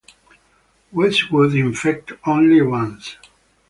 Westwood infects only once.